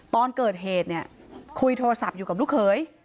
ตอนเกิดเหตุเนี่ยคุยโทรศัพท์อยู่กับลูกเขย